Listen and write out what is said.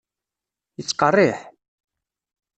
Yettqerriḥ?